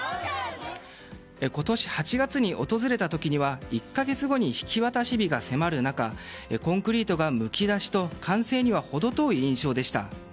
今年８月に訪れた時には１か月後に引き渡し日が迫る中コンクリートがむき出しと完成には程遠い印象でした。